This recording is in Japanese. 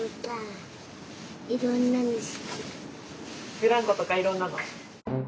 ブランコとかいろんなの？